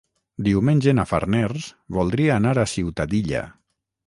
Diumenge na Farners voldria anar a Ciutadilla.